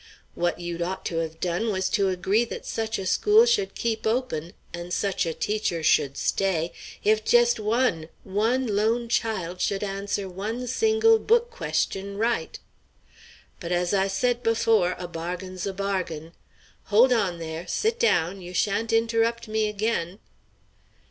What you'd ought to have done was to agree that such a school should keep open, and such a teacher should stay, if jest one, one lone child should answer one single book question right! But as I said before, a bargain's a bargain Hold on there! Sit down! You sha'n't interrupt me again!"